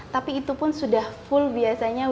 tapi itu pun sudah full biasanya